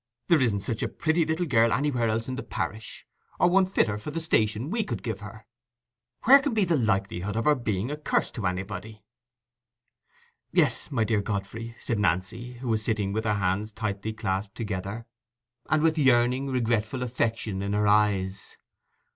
There isn't such a pretty little girl anywhere else in the parish, or one fitter for the station we could give her. Where can be the likelihood of her being a curse to anybody?" "Yes, my dear Godfrey," said Nancy, who was sitting with her hands tightly clasped together, and with yearning, regretful affection in her eyes.